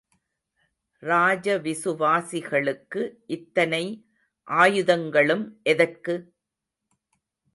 ராஜவிசுவாசிகளுக்கு இத்தனை ஆயுதங்களும் எதற்கு?